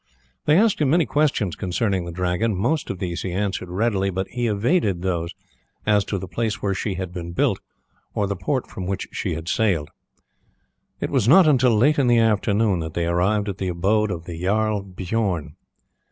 They asked him many questions concerning the Dragon. Most of these he answered readily enough, but he evaded those as to the place where she had been built, or the port from which she had sailed. It was not until late in the afternoon that they arrived at the abode of the Jarl Bijorn.